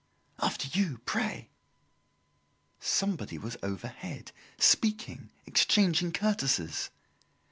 "After you, pray!" Somebody was overhead, speaking, exchanging courtesies.